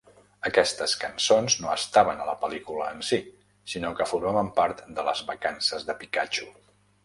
Aquestes cançons no estaven a la pel·lícula en sí, sinó que formaven part de "Les vacances de Pikachu".